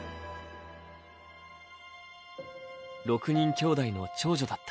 ６人きょうだいの長女だった。